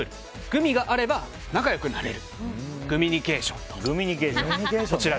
グミがあれば仲良くなれるグミニケーション！